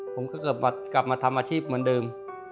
ผมก็กลับมาทำอาชีพเหมือนเดิม